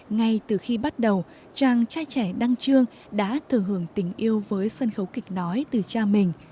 ngay từ khi bắt đầu chàng trai trẻ đăng trương đã thừa hưởng tình yêu với sân khấu kịch nói từ cha mình